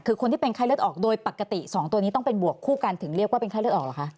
คือคนที่เป็นไข้เลือดออกโดยปกติ๒ตัวนี้ต้องเป็นบวกคู่กันถึงเรียกว่าเป็นไข้เลือดออกเหรอคะ